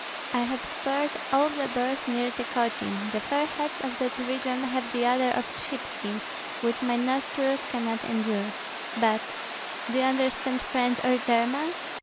I have speared all the bears near Tykotsin; the fair heads of that region have the odor of sheepskin, which my nostrils cannot endure. But Do you understand French or German?"